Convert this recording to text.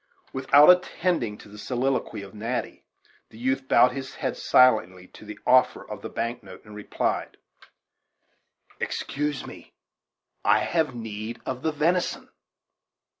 Without attending to the soliloquy of Natty, the youth bowed his head silently to the offer of the bank note, and replied: "Excuse me: I have need of the venison."